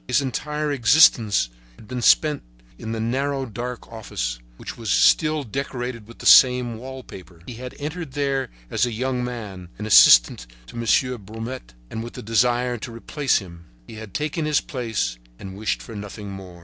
His entire existence had been spent in the narrow, dark office, which was still decorated with the same wall paper. He had entered there as a young man, as assistant to Monsieur Brument, and with the desire to replace him. He had taken his place and wished for nothing more.